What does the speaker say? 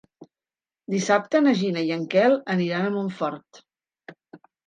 Dissabte na Gina i en Quel aniran a Montfort.